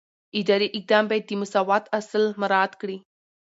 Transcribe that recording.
اداري اقدام باید د مساوات اصل مراعات کړي.